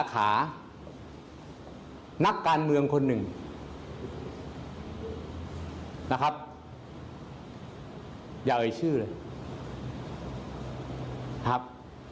เป็นเครือข่ายสาขานักการเมืองคนหนึ่งน่ะคะอย่าเอาไอ่ชื่อเลย